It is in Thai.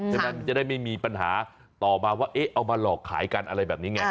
ฉะนั้นจะได้ไม่มีปัญหาต่อมาว่าเอ๊ะเอามาหลอกขายกันอะไรแบบนี้ไง